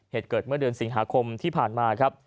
เหตุเกิดเมื่อเดือนสิงหาคมที่ผ่านมาครับ